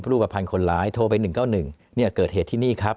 รูปภัณฑ์คนร้ายโทรไป๑๙๑เกิดเหตุที่นี่ครับ